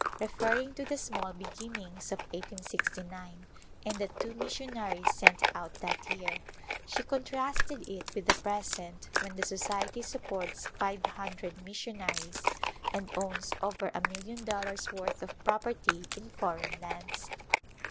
Referring to the small beginnings of 1869 and the two missionaries sent out that year, she contrasted it with the present when the Society supports five hundred missionaries, and owns over a million dollars' worth of property in foreign lands.